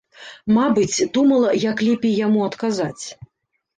Мабыць, думала, як лепей яму адказаць.